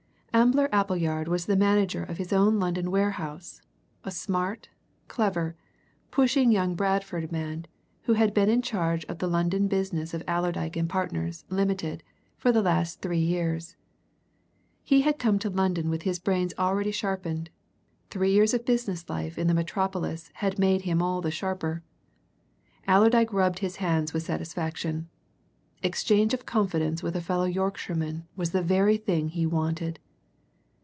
Ambler Appleyard was the manager of his own London warehouse, a smart, clever, pushing young Bradford man who had been in charge of the London business of Allerdyke and Partners, Limited, for the last three years. He had come to London with his brains already sharpened three years of business life in the Metropolis had made them all the sharper. Allerdyke rubbed his hands with satisfaction. Exchange of confidence with a fellow Yorkshireman was the very thing he wanted.